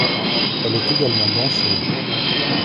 Elle est également danseuse.